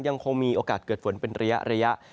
ยังคงมีโอกาสเกิดฝนเป็นระยะ